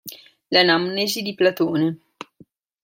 L'anamnesi di Platone.